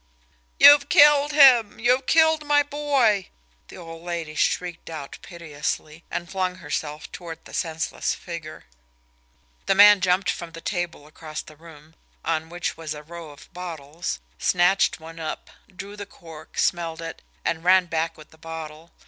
"You've killed him! You've killed my boy!" the old lady shrieked out piteously, and flung herself toward the senseless figure. The man jumped for the table across the room, on which was a row of bottles, snatched one up, drew the cork, smelled it, and ran back with the bottle.